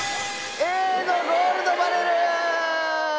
Ａのゴールドバレル！